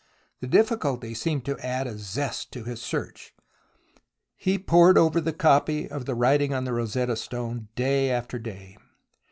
The difficulty seemed to add a zest to his search. He pored over the copy of the writing on the Rosetta Stone day after day.